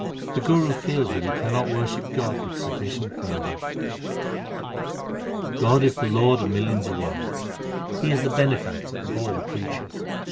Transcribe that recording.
The Guru feels that he cannot worship God with sufficient fervour : God is the Lord of millions of worlds ; He is the Bene factor of all creatures.